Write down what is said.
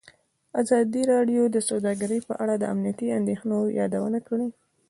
ازادي راډیو د سوداګري په اړه د امنیتي اندېښنو یادونه کړې.